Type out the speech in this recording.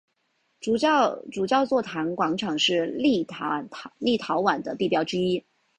主教座堂广场是立陶宛的地标之一。